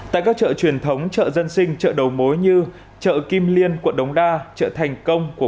tại các chợ truyền thống chợ dân sinh chợ đầu mối như chợ kim liên quận đống đa chợ thành công của